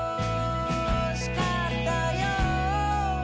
「欲しかったよ」